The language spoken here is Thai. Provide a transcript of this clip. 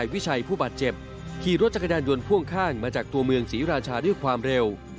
วิชัยผู้บาดเจ็บขี่รถจักรยานยนต์พ่วงข้างมาจากตัวเมืองศรีราชาด้วยความเร็ว